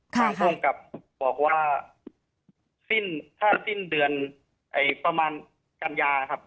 ท่านผู้กลับบอกว่าถ้าสิ้นเดือนประมาณกันยาครับ